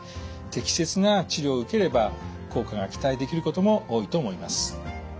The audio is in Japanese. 適切な治療を受ければ効果が期待できることも多いと思います。